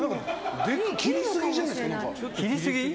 切りすぎじゃないですか？